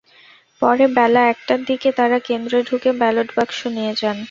পরে বেলা একটার দিকে তাঁরা কেন্দ্রে ঢুকে ব্যালট বাক্স নিয়ে যান।